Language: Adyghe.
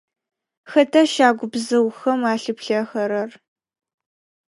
Хэта щагубзыухэм алъыплъэхэрэр?